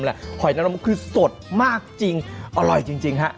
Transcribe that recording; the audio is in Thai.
หอยนรมนกคือสดมากจริงอร่อยจริงฮะ